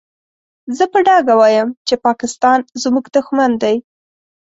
زه په ډاګه وايم چې پاکستان زموږ دوښمن دی.